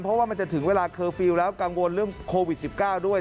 เพราะว่ามันจะถึงเวลาเคอร์ฟิลล์แล้วกังวลเรื่องโควิด๑๙ด้วย